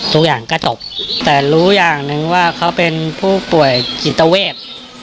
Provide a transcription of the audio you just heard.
ทุกอย่างก็จบแต่รู้อย่างหนึ่งว่าเขาเป็นผู้ป่วยจิตเวท